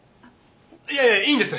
いえいいんです！